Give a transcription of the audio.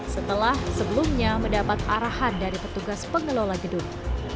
setelah sebelumnya mendapat arahan dari petugas pengelola gedung